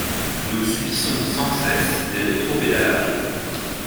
Nous subissons sans cesse des rétropédalages.